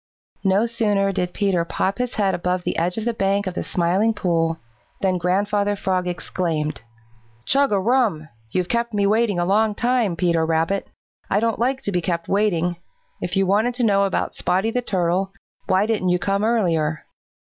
No sooner did Peter pop his head above the edge of the bank of the Smiling Pool than Grandfather Frog exclaimed: "Chug a rum! You've kept me waiting a long time, Peter Rabbit. I don't like to be kept waiting. If you wanted to know about Spotty the Turtle, why didn't you come earlier?"